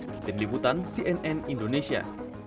diting liputan cnn indonesia